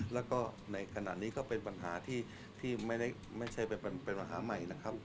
แล้วก็ในขณะนี้ก็เป็นปัญหาที่ไม่ใช่เป็นปัญหาใหม่นะครับ